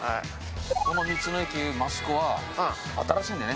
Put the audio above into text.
この道の駅ましこは新しいんだよね。